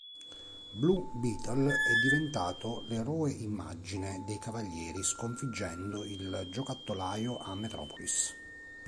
Blue Beetle è diventato l'eroe-immagine dei Cavalieri sconfiggendo il Giocattolaio a Metropolis.